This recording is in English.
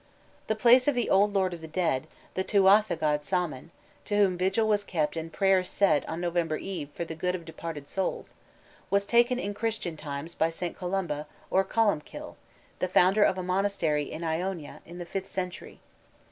The place of the old lord of the dead, the Tuatha god Saman, to whom vigil was kept and prayers said on November Eve for the good of departed souls, was taken in Christian times by St. Colomba or Columb Kill, the founder of a monastery in Iona in the fifth century.